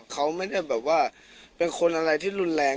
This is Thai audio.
เขาไม่ได้แบบว่าเป็นคนอะไรที่รุนแรง